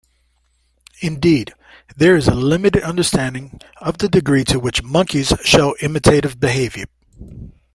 Indeed, there is limited understanding of the degree to which monkeys show imitative behaviour.